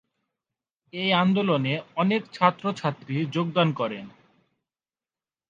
এই আন্দোলনে অনেক ছাত্র-ছাত্রী যোগদান করেন।